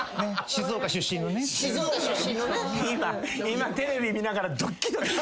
今テレビ見ながらドッキドキ。